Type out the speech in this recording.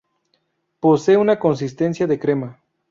Posee una consistencia de crema.